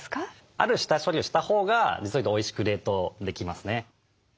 ある下処理をしたほうが実を言うとおいしく冷凍できますね。